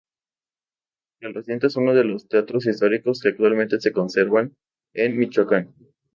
El recinto es uno de los teatros históricos que actualmente se conservan en Michoacán.